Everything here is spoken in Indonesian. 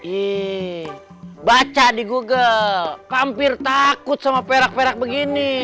ih baca di google kampir takut sama perak perak begini